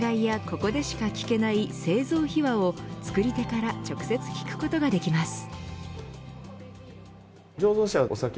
ここでしか聞けない製造秘話を作り手から直接聞くことができます。